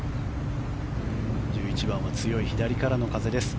１１番は強い左からの風です。